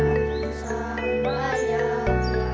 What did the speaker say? maka kehidupan berlangsung